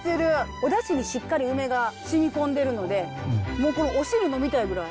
おだしにしっかりウメがしみ込んでるのでもうこのお汁飲みたいぐらい。